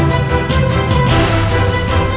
dan adikmu akan binas